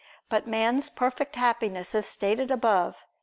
But man's perfect Happiness, as stated above (Q.